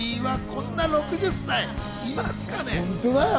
こんな６０歳いますかね？